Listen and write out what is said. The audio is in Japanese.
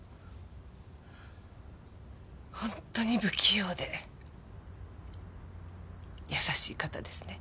本当に不器用でやさしい方ですね。